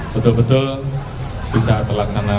betul betul bisa terlaksana